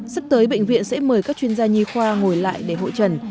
sắp tới bệnh viện sẽ mời các chuyên gia nhi khoa ngồi lại để hội trần